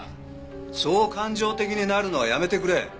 そう感情的になるのはやめてくれ。